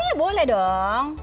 oh iya boleh dong